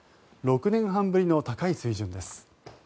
６年半ぶりの高い水準です。